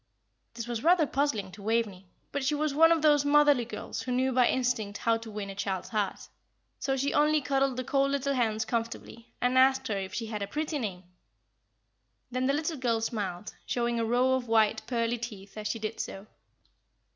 This was rather puzzling to Waveney, but she was one of those motherly girls who knew by instinct how to win a child's heart, so she only cuddled the cold little hands comfortably, and asked her if she had a pretty name. Then the little girl smiled, showing a row of white, pearly teeth as she did so.